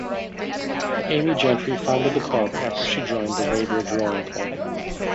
Amy Gentry founded the club after she joined the Weybridge Rowing Club.